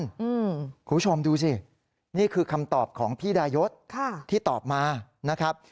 คุณผู้ชมดูสินี่คือคำตอบของพี่ดายศที่ตอบมานะครับ